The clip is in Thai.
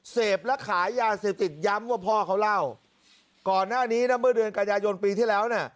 เสพและขายยาเสพติดย้ำว่าพ่อเขาเล่าก่อนหน้านี้นะเมื่อเดือนกันยายนปีที่แล้วเนี่ย